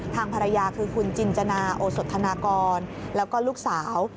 ทางภรรยาคือคุณจินจนาโอสธนากรแล้วก็ลูกสาว